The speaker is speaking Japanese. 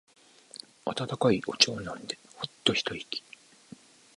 温かいお茶を飲んでホッと一息。